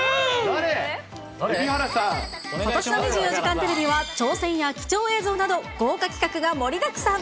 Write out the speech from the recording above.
ことしの２４時間テレビは挑戦や貴重映像など、豪華企画が盛りだくさん。